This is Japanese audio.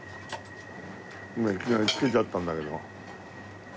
今いきなり付けちゃったんだけど。